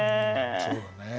そうだね。